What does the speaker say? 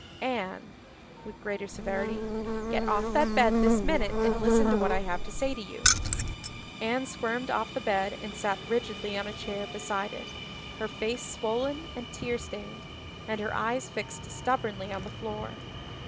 "Anne," with greater severity, "get off that bed this minute and listen to what I have to say to you." Anne squirmed off the bed and sat rigidly on a chair beside it, her face swollen and tear stained and her eyes fixed stubbornly on the floor.